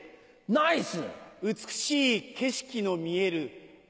ナイス！